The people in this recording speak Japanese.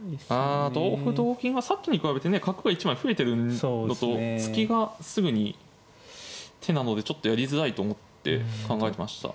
あ同歩同金はさっきに比べてね角が１枚増えてるのと突きがすぐに手なのでちょっとやりづらいと思って考えてました。